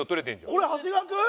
これ長谷川君！？